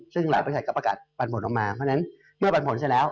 ซึ่งหลายบริษัทก็ประกาศปันผลออกมาเพราะฉะนั้นเมื่อปันผลเสร็จแล้ว